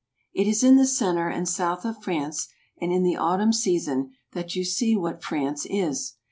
It is in the centre and South of France, and in the autumn season, that you see what France is.